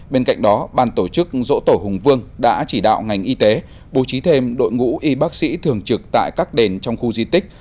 bên cạnh đó ban tổ chức dỗ tổ hùng vương đã chỉ đạo ngành y tế bố trí thêm đội ngũ y bác sĩ thường trực tại các đền trong khu di tích